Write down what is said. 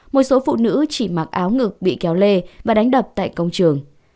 một số phụ nữ chỉ mặc áo ngực bị kéo lê và đánh đập tại công trường